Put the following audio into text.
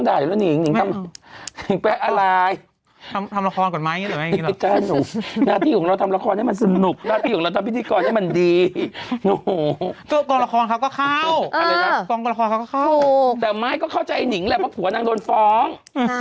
น่าจะโทรหากันใช่ป่ะเธอไม่ต้องโทรหาฉันหรอก